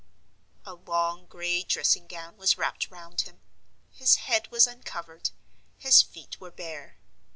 A long, gray dressing gown was wrapped round him. His head was uncovered; his feet were bare.